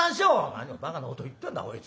「何をばかなこと言ってんだこいつは。